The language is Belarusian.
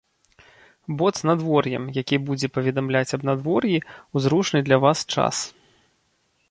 Бот з надвор'ем які будзе паведамляць аб надвор'і ў зручны для вас час.